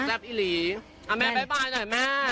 อิหลีเอาแม่บ๊ายบายหน่อยแม่